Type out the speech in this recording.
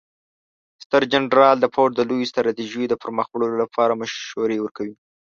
ستر جنرال د پوځ د لویو ستراتیژیو د پرمخ وړلو لپاره مشورې ورکوي.